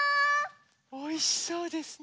おいしそうですね。